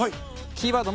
キーワード